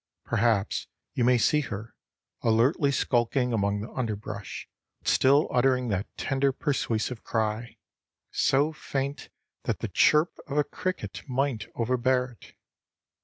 Perhaps you may see her, alertly skulking among the underbrush, still uttering that tender, persuasive cry, so faint that the chirp of a cricket might overbear it.